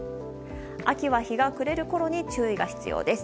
秋は日が暮れるころに注意が必要です。